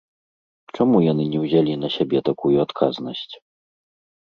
Чаму яны не ўзялі на сябе такую адказнасць?